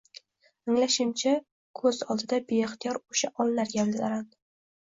Anglashimcha, ko`z oldida beixtiyor o`sha onlar gavdalandi